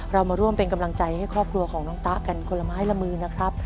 เรามาร่วมเป็นกำลังใจให้ครอบครัวของน้องตะกันคนละไม้ละมือนะครับ